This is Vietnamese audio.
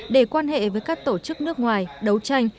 để quan hệ với các tổ chức nước ngoài đấu tranh